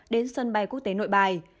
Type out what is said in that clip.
đến sân bay quốc tế nội bài